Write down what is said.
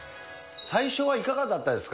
最初はいかがだったですか？